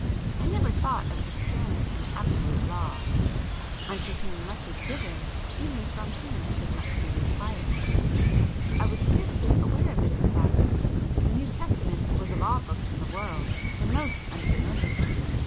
I never thought of the stern and absolute law—"Unto whom much is given, even from him should much be required;"—I was scarcely aware of it in fact,—the New Testament was of all books in the world the most unfamiliar to me.